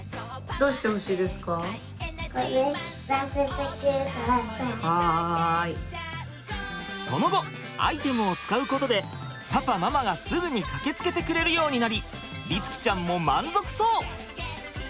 パパじゃあママその後アイテムを使うことでパパママがすぐに駆けつけてくれるようになり律貴ちゃんも満足そう。